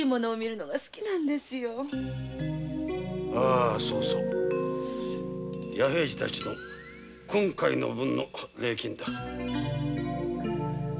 あそうそう矢平次たちへの今回の分の礼金だ。